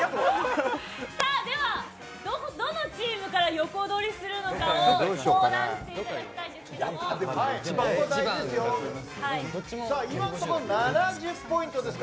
ではどのチームから横取りするのかを相談していただきたいんですが。